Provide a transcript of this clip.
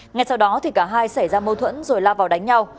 ngay sau đó thì cả hai xảy ra mâu thuẫn rồi la vào đánh nhau